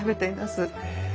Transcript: へえ。